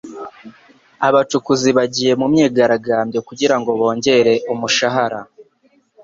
Abacukuzi bagiye mu myigaragambyo kugirango bongere umushahara.